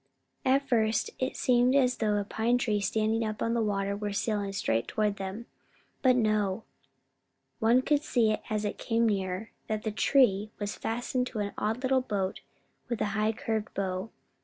At first it seemed as though a pine tree standing up on the water were sailing straight toward them. But no! one could see as it came nearer that the tree was fastened into an odd little boat with a high curved bow.